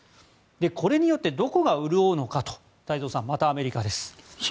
これによってどこが潤うのかと太蔵さん、またアメリカです。